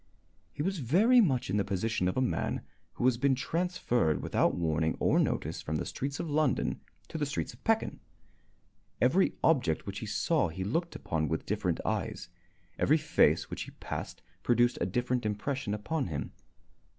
He was very much in the position of a man who has been transferred without warning or notice from the streets of London to the streets of Pekin. Every object which he saw he looked upon with different eyes. Every face which he passed produced a different impression upon him.